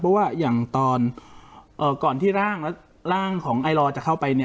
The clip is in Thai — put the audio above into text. เพราะว่าอย่างตอนก่อนที่ร่างของไอลอร์จะเข้าไป